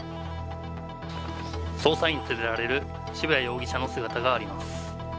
捜査員に連れられる渋谷容疑者の姿があります。